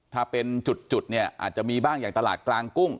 ถ้าเป็นจุดเนี่ยอาจจะมีบ้างอย่างตลาดกลางกุ้ง